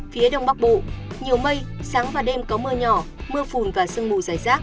phía đông bắc bộ nhiều mây sáng và đêm có mưa nhỏ mưa phùn và sương mù dài rác